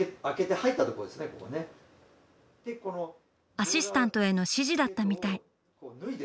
アシスタントへの指示だったみたい。